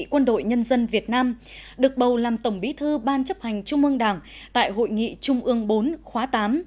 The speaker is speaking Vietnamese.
quân đội nhân dân việt nam được bầu làm tổng bí thư ban chấp hành trung ương đảng tại hội nghị trung ương bốn khóa tám